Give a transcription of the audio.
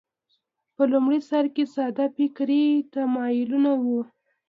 په لومړي سر کې ساده فکري تمایلونه وو